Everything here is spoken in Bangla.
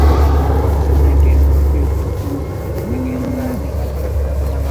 মো বর্তমানে ডেনমার্কের কোপেনহেগেনে বাস করছেন।